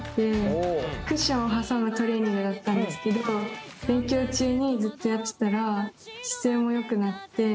クッションを挟むトレーニングだったんですけど勉強中にずっとやってたら姿勢もよくなって。